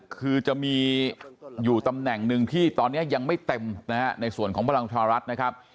คือจะมีอยู่ตำแหน่งหนึ่งที่ตอนนี้ยังไม่เต็มในส่วนของภักดิ์พลังประชารัฐ